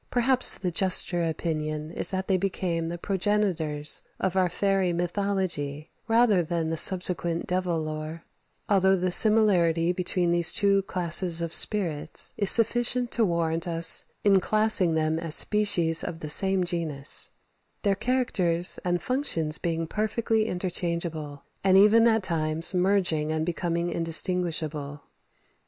Perhaps the juster opinion is that they became the progenitors of our fairy mythology rather than the subsequent devil lore, although the similarity between these two classes of spirits is sufficient to warrant us in classing them as species of the same genus; their characters and functions being perfectly interchangeable, and even at times merging and becoming indistinguishable.